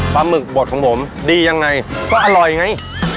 หมึกบดของผมดียังไงก็อร่อยไง